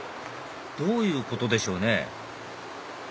どういうことでしょうね？